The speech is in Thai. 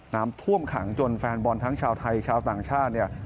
น้ำท่วมขังจนแฟนบอลทั้งชาวไทยชาวต่างชาติเนี่ย